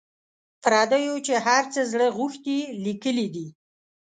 پردیو چي هر څه زړه غوښتي لیکلي دي.